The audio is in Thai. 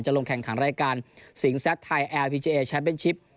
ลงแข่งขันรายการสิงแซดไทยแอร์พีเจเอแชมป์เป็นชิป